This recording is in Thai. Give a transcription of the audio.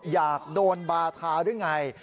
อยากโดนบาทาหรือไง